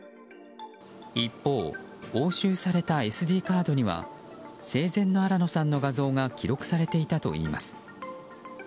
一方、押収されたＳＤカードには生前の新野さんの画像が記録されていたといいます。